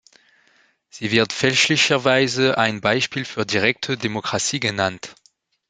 Sie wird fälschlicherweise ein Beispiel für direkte Demokratie genannt.